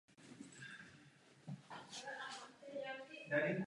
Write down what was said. Hamilton na čtvrtém místě ztrácel na Ferrari téměř půl sekundy.